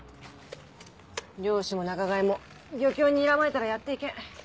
漁師も仲買も漁協ににらまれたらやっていけん。